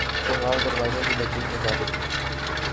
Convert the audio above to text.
تلوار دروازے کی لکڑی میں جا لگی